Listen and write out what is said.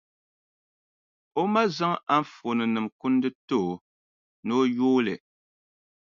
O ma zaŋ anfooninima kundi n-ti o, ni o yooi li.